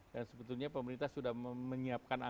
dan sebetulnya pemerintah sudah menyiapkan program